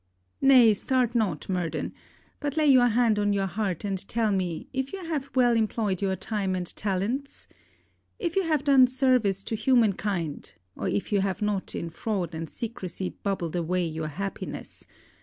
Nay start not, Murden; but lay your hand on your heart, and tell me, if you have well employed your time and talents? If you have done service to human kind, or if you have not in fraud and secresy bubbled away your happiness?